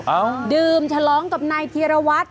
อ้าวดื่มชะล้องกับนายเทียรวัตร